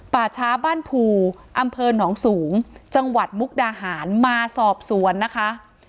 ป่าช้าบ้านภูอำเภอหนองสูงจังหวัดมุกดาหารมาสอบสวนนะคะ